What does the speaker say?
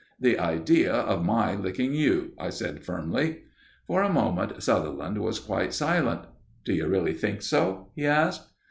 "The idea of my licking you," I said firmly. For a moment Sutherland was quite silent. "D'you really think so?" he asked.